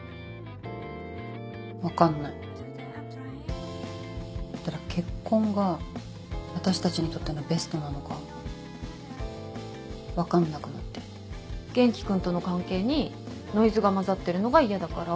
分かんないただ結婚が私たちにとってのベストなのか分かんなくなって元気君との関係にノイズが混ざってるのが嫌だから。